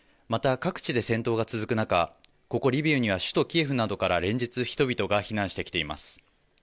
また、各地で戦闘が続く中、ここリビウには、首都キエフなどから連日、人々が避難してきています。